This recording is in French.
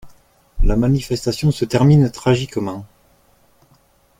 La manifestation se termine tragiquement.